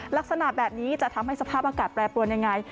ลักษณะแบบนี้จะทำให้สภาพอากาศแปรปรวนยังไง